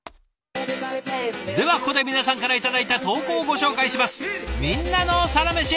ではここで皆さんから頂いた投稿をご紹介します。